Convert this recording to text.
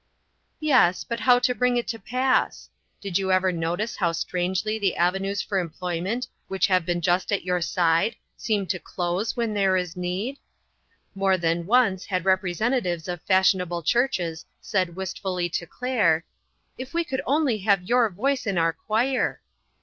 Yes, but how bring it to pass? Did you ever notice how strangely the avenues for employment which have been just at your side seem to close when there is need ? More than once had representatives of fash ionable churches said wistfully to Claire :" If we could only have your voice in our choir